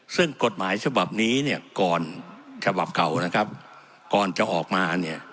ซึ่งกฎหมายฉบับนี้ก่อนจะออกมา